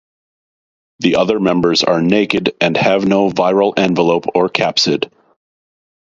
The other members are naked and have no viral envelope or capsid.